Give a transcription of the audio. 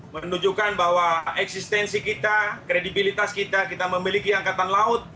menunjukkan bahwa eksistensi kita kredibilitas kita kita memiliki angkatan laut